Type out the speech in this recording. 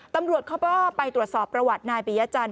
ตำรวจเขาก็ไปตรวจสอบประวัตินายปิยจันท